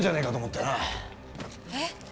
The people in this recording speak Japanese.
えっ？